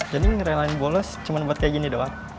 jadi ngerelain bolos cuma buat kayak gini doang